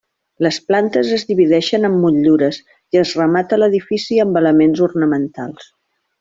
Les plantes es divideixen amb motllures i es remata l'edifici amb elements ornamentals.